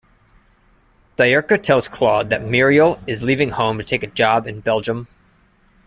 Diurka tells Claude that Muriel is leaving home to take a job in Belgium.